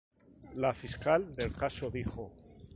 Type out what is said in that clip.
La fiscal del caso dijo.